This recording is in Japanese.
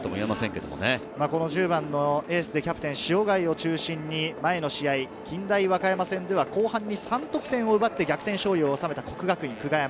１０番のエースでキャプテン・塩貝を中心に前の試合、近大和歌山戦では後半に３得点を奪って逆転勝利を収めた國學院久我山。